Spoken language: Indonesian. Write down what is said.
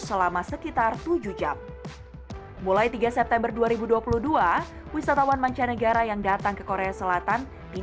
selama sekitar tujuh jam mulai tiga september dua ribu dua puluh dua wisatawan mancanegara yang datang ke korea selatan di